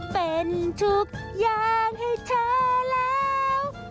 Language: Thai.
เป็นทุกอย่างให้เธอแล้ว